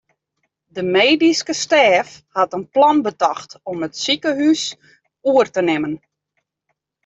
De medyske stêf hat in plan betocht om it sikehús oer te nimmen.